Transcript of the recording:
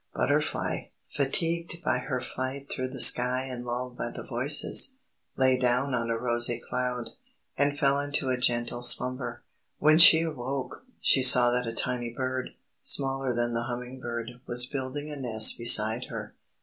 Butterfly, fatigued by her flight through the sky and lulled by the voices, lay down on a rosy cloud, and fell into a gentle slumber. When she awoke, she saw that a tiny bird, smaller than the hummingbird, was building a nest beside her.